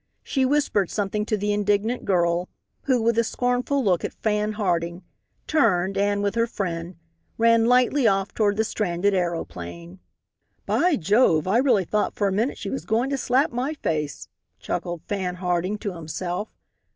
She whispered something to the indignant girl, who, with a scornful look at Fan Harding, turned and, with her friend, ran lightly off toward the stranded aeroplane. "By Jove, I really thought for a minute she was going to slap my face," chuckled Fan Harding to himself.